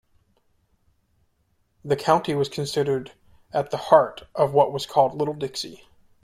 The county was considered at the heart of what was called Little Dixie.